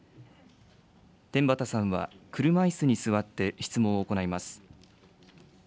天畠さんは車いすに座って質問を行います。